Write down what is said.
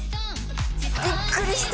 びっくりした。